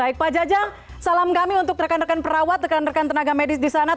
baik pak jajang salam kami untuk rekan rekan perawat rekan rekan tenaga medis di sana